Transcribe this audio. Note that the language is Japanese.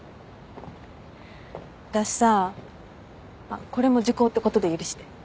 あっこれも時効ってことで許して。